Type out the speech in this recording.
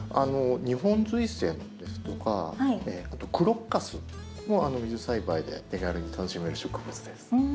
ニホンズイセンですとかあとクロッカスも水栽培で手軽に楽しめる植物です。